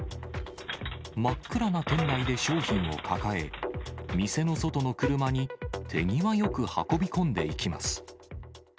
真っ暗な店内で商品を抱え、店の外の車に手際よく運び込んでいきます。